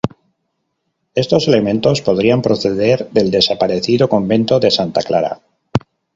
Estos elementos podrían proceder del desaparecido Convento de Santa Clara.